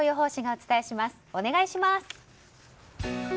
お願いします。